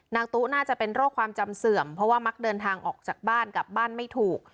ตุ๊กน่าจะเป็นโรคความจำเสื่อมเพราะว่ามักเดินทางออกจากบ้านกลับบ้านไม่ถูก